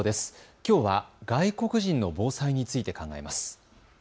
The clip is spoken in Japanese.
きょうは外国人の防災について考えます。